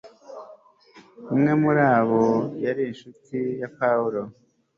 umwe muri bo yari inshuti ya pawulo